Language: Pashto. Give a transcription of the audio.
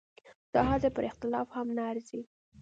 دا حتی پر اختلاف هم نه ارزي.